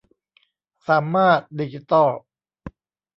สามารถ ดิจิตอล